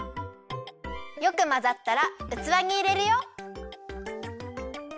よくまざったらうつわにいれるよ。